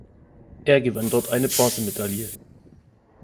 Er gewann dort eine Bronzemedaille.